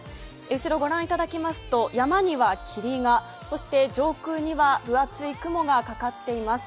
後ろご覧いただきますと、山には霧がそして上空には分厚い雲がかかっています。